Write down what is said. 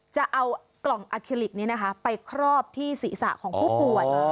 จะเอากล่องอาเคลิกนี้นะคะไปครอบที่ศีรษะของผู้ป่วย